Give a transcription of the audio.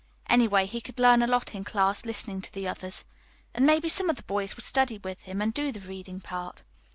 Anyway, he could learn a lot in class listening to the others; and maybe some of the boys would study with him, and do the reading part.